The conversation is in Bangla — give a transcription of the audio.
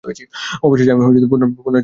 অবশেষে আমি পুনরায় চিকাগোয় আসিলাম।